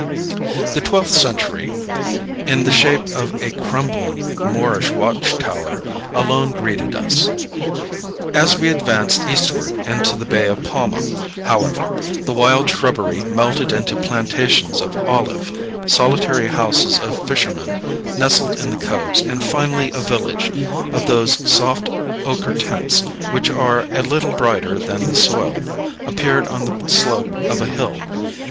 The twelfth century, in the shape of a crumbling Moorish watch tower, alone greeted us. As we advanced eastward into the Bay of Palma, however, the wild shrubbery melted into plantations of olive, solitary houses of fishermen nestled in the coves, and finally a village, of those soft ochre tints which are a little brighter than the soil, appeared on the slope of a hill.